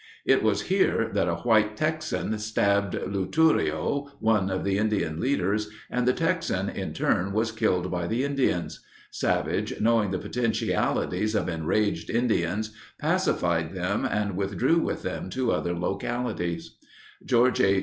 It was here that a white Texan stabbed Luturio, one of the Indian leaders, and the Texan in turn was killed by the Indians. Savage, knowing the potentialities of enraged Indians, pacified them and withdrew with them to other localities. George H.